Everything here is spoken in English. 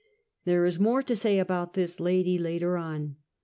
There is more to say about this lady later on.